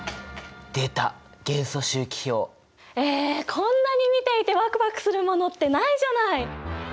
こんなに見ていてワクワクするものってないじゃない！？